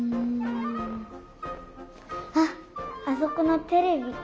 あっあそこのテレビ。